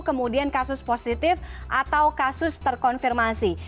kemudian kasus positif atau kasus terkonfirmasi